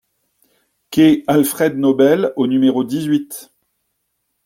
Quai Alfred Nobel au numéro dix-huit